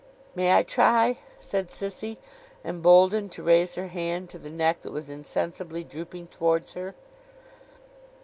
'May I try?' said Sissy, emboldened to raise her hand to the neck that was insensibly drooping towards her.